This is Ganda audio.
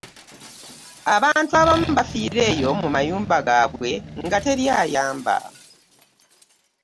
Abantu abamu baafiira eyo mu mayumba gaabwe nga teri ayamba.